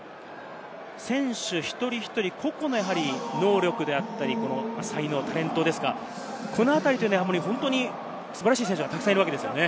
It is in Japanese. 選手一人一人、個々の能力であったり、才能、タレントですか、そのあたりというのは素晴らしい選手がたくさんいるわけですからね。